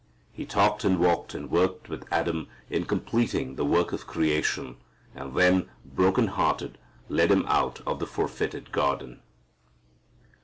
He talked and walked and worked with Adam in completing the work of creation, and then broken hearted led him out of the forfeited garden.